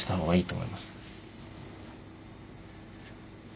はい。